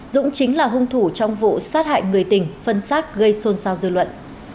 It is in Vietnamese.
dũng chính là hung thủ trong vụ sát hại người tình phân xác gây xôn xao dư luận